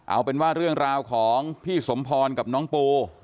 เอาเป็นว่าเรื่องราวของพี่สมพรกับน้องปู